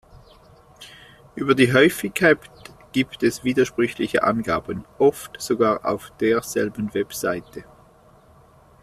Über die Häufigkeit gibt es widersprüchliche Angaben, oft sogar auf derselben Webseite.